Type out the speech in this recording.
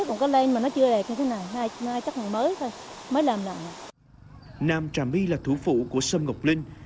nam trà my là thủ phụ của sâm ngọc linh